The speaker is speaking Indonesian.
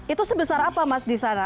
itu sebesar apa mas di sana